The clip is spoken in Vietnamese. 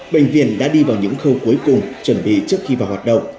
bệnh viện đã đi vào những khâu cuối cùng chuẩn bị trước khi vào hoạt động